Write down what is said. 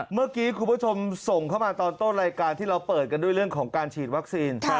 เมื่อกี้คุณผู้ชมส่งเข้ามาตอนต้นรายการที่เราเปิดกันด้วยเรื่องของการฉีดวัคซีน